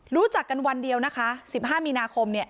รู้จักกันวันเดียวนะคะ๑๕มีนาคมเนี่ย